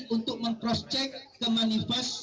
untuk men proscek kembali